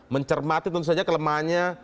mencermati tentu saja kelemahannya